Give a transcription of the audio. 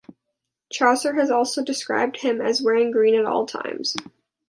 Chaucer has also described him as wearing green at all times.